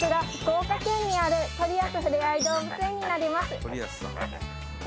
福岡県にあるトリアスふれあい動物園になります